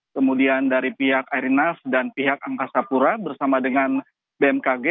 kemudian dari pihak airlines dan pihak angkasa pura bersama dengan bmkg